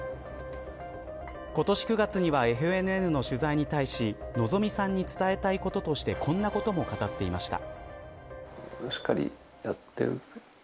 今年９月にはＦＮＮの取材に対し希美さんに伝えたいこととしてこんなことも語っていました。